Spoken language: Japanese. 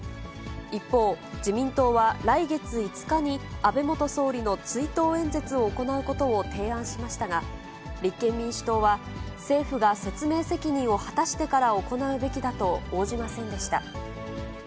一方、自民党は来月５日に、安倍元総理の追悼演説を行うことを提案しましたが、立憲民主党は、政府が説明責任を果たしてから行うべきだと応じませんでした。